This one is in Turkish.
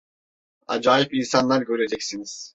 Acayip insanlar göreceksiniz.